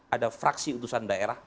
ada fraksi utusan daerah